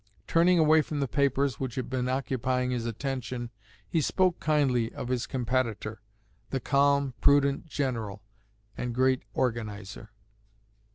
Turning away from the papers which had been occupying his attention, he spoke kindly of his competitor, the calm, prudent General, and great organizer."